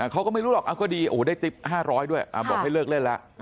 เขาก็ไม่รู้หรอกอ้าวก็ดีได้ติ๊บ๕๐๐บาทด้วยบอกให้เลิกเล่นแล้ว